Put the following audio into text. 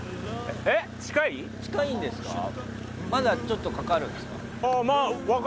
まだちょっとかかるんですか？